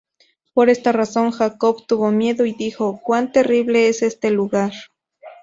Por esta razón Jacob tuvo miedo, y dijo: ""¡Cuán terrible es este lugar!